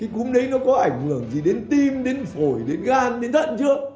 cúm đấy nó có ảnh hưởng gì đến tim đến phổi đến gan đến thận chưa